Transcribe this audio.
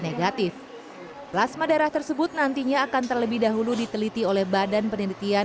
negatif plasma darah tersebut nantinya akan terlebih dahulu diteliti oleh badan penelitian